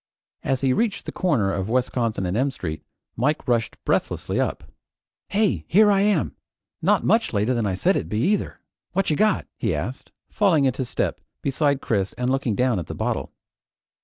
As he reached the corner of Wisconsin and M Street, Mike rushed breathlessly up. "Hey! Here I am! Not much later than I said I'd be, either! What you got?" he asked, falling into step beside Chris and looking down at the bottle.